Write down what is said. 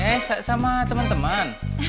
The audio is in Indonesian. eh sama temen temen